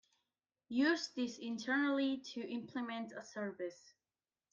Use this internally to implement a service.